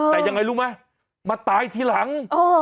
แต่ยังไงรู้ไหมมาตายทีหลัง